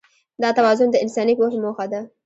دا توازن د انساني پوهې موخه ده.